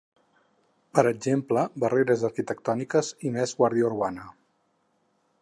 Per exemple: barreres arquitectòniques i més guàrdia urbana.